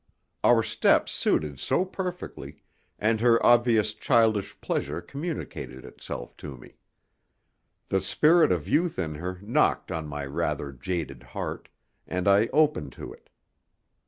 Our steps suited so perfectly, and her obvious childish pleasure communicated itself to me. The spirit of youth in her knocked on my rather jaded heart, and I opened to it.